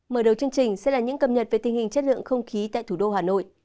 mở đầu chương trình sẽ là những cập nhật về tình hình chất lượng không khí tại thủ đô hà nội